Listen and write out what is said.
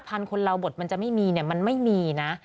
๕๐๐๐บาทคนเราหมดมันจะไม่มีมันไม่มีนะ